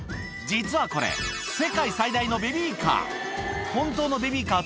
実はこれ、世界最大のベビーカー。